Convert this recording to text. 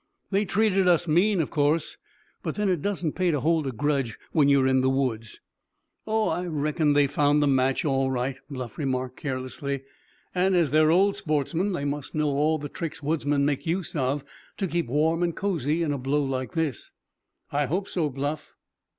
"They treated us mean, of course, but then it doesn't pay to hold a grudge when you're in the woods." "Oh, I reckon they found the match, all right," Bluff remarked carelessly, "and as they're old sportsmen they must know all the tricks woodsmen make use of to keep warm and cozy in a blow like this." "I hope so, Bluff."